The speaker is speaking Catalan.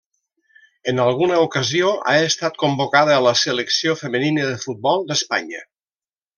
En alguna ocasió ha estat convocada a la selecció femenina de futbol d'Espanya.